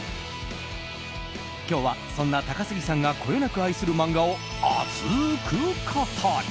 今日は、そんな高杉さんがこよなく愛する漫画を熱く語り。